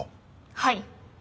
はい。